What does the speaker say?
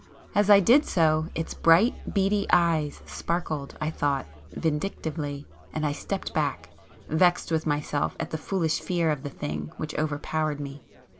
As I did so, its bright beady eyes sparkled, I thought, vindictively, and I stepped back, vexed with myself at the foolish fear of the thing which overpowered me.